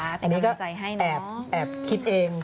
อันนี้ก็แอบคิดเอง